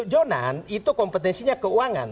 jonan itu kompetensinya keuangan